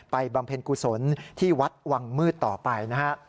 บำเพ็ญกุศลที่วัดวังมืดต่อไปนะฮะ